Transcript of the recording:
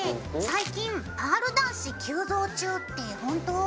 最近パール男子急増中って本当？